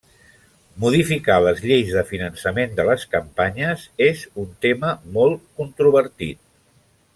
Modificar les lleis de finançament de les campanyes és un tema molt controvertit.